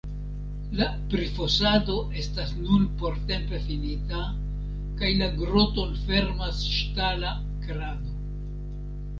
La prifosado estas nun portempe finita, kaj la groton fermas ŝtala krado.